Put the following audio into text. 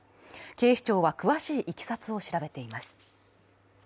警視庁は詳しいいきさつを調べています。